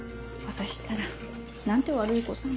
私ったら何て悪い子さん。